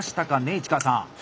市川さん。